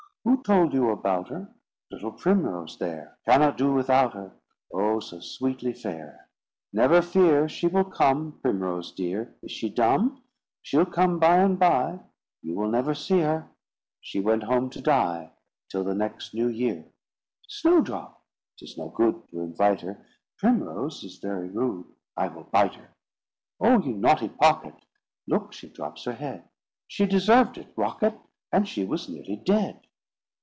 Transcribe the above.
"Who told you about her?" "Little Primrose there Cannot do without her." "Oh, so sweetly fair!" "Never fear, She will come, Primrose dear." "Is she dumb?" "She'll come by and by." "You will never see her." "She went home to die, "Till the new year." "Snowdrop!" "'Tis no good To invite her." "Primrose is very rude, "I will bite her." "Oh, you naughty Pocket! "Look, she drops her head." "She deserved it, Rocket, "And she was nearly dead."